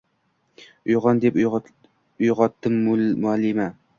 Uyg`on, deb uyg`otdi muallima